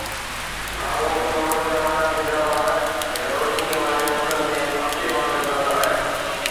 سامهون صنوبر جا وڏا ڊگها وڻ هن روشنيءَ واري منظر ۾ پاڇي وانگر نظر آيا